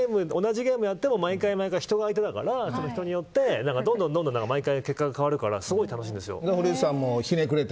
同じゲームやっても毎回人がやってるから人によって毎回結果が変わるからすごい楽しいんです。